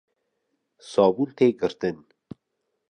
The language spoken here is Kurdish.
Sabûn tê girtin